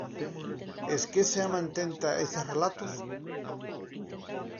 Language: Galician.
Esquece a mantenta eses relatos?